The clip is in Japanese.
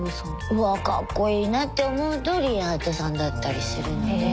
うわかっこいいなって思うとＲＩＥＨＡＴＡさんだったりするので。